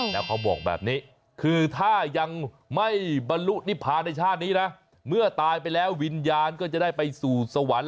แล้วเขาบอกแบบนี้คือถ้ายังไม่บรรลุนิพาในชาตินี้นะเมื่อตายไปแล้ววิญญาณก็จะได้ไปสู่สวรรค์